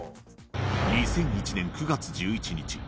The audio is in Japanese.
２００１年９月１１日。